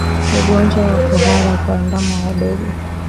Ugonjwa wa kuhara kwa ndama wadogo